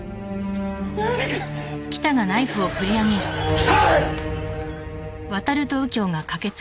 北！